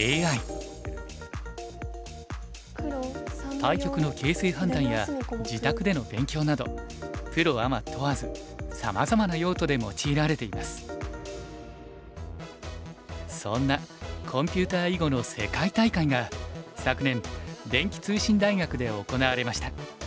対局の形勢判断や自宅での勉強などプロアマ問わずそんなコンピュータ囲碁の世界大会が昨年電気通信大学で行われました。